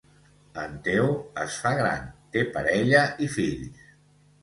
En Teo es fa gran, té parella i fills